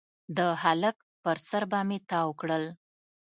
د هلک پر سر به يې تاو کړل.